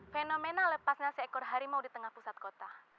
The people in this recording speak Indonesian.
fenomena lepasnya seekor harimau di tengah pusat kota